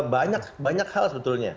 banyak banyak hal sebetulnya